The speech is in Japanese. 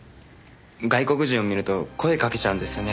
外国人を見ると声かけちゃうんですよね